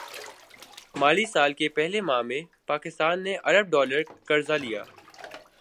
مالی سال کے پہلے ماہ میں پاکستان نے ارب ڈالر قرض لیا